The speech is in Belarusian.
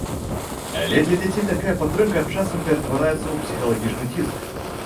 Але для дзяцей такая падтрымка часам ператвараецца ў псіхалагічны ціск.